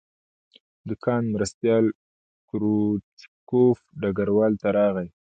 د کان مرستیال کروچکوف ډګروال ته راغی